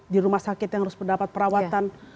di rumah sakit yang harus mendapat perawatan